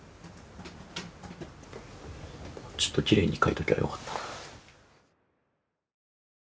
もうちょっときれいに書いときゃよかったな。